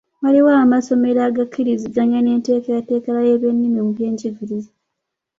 Waliwo amasomero agakkiriziganya n’enteekerateekera y’ebyennimi mu by’enjigiriza.